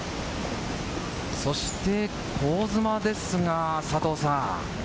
そして香妻ですが、佐藤さん。